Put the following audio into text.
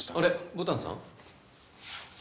牡丹さん。